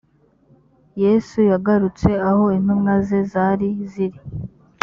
yesu yagarutse aho intumwa ze zari ziri